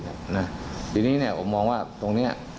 ทีนี้เนี่ยผมมองว่าตรงเนี่ย